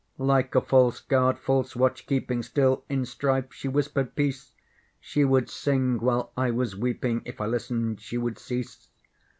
Like a false guard, false watch keeping, Still, in strife, she whispered peace; She would sing while I was weeping; If I listened, she would cease.